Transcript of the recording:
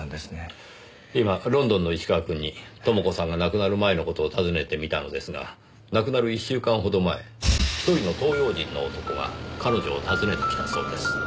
今ロンドンの石川くんに朋子さんが亡くなる前の事を尋ねてみたのですが亡くなる１週間ほど前一人の東洋人の男が彼女を訪ねてきたそうです。